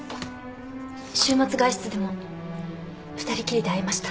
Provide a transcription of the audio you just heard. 週末外出でも二人きりで会いました。